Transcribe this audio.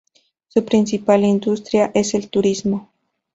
Su principal industria es el turismo.